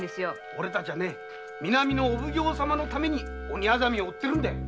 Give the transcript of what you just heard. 俺たちは南のお奉行様のために鬼薊を追ってるんだ。